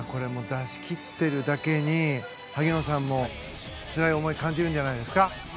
出しきっているだけに萩野さんもつらい思いを感じるんじゃないですか？